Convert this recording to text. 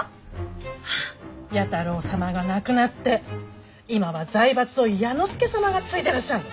弥太郎様が亡くなって今は財閥を弥之助様が継いでらっしゃる。